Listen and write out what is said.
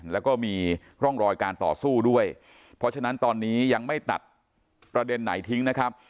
แล้วก็มีร่องรอยการต่อสู้ด้วยเพราะฉะนั้นตอนนี้ยังไม่ตัดประเด็นไหนทิ้งนะครับ